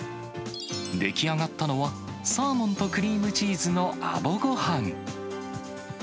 出来上がったのは、サーモンとクリームチーズのアボごはん。